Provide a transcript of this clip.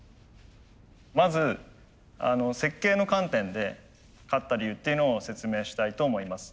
まず設計の観点で勝った理由っていうのを説明したいと思います。